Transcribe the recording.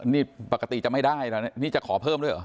นี่ปกติจะไม่ได้แล้วนี่จะขอเพิ่มด้วยเหรอ